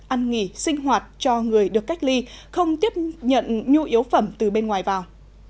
ăn nghỉ sinh hoạt cho người được cách ly không tiếp nhận nhu yếu phẩm từ bên ngoài vào